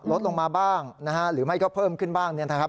ลดลงมาบ้างหรือไม่ก็เพิ่มขึ้นบ้าง